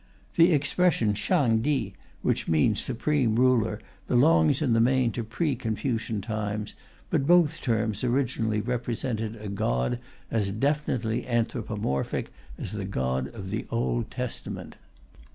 The expression "Shang Ti," which means "Supreme Ruler," belongs in the main to pre Confucian times, but both terms originally represented a God as definitely anthropomorphic as the God of the Old Testament.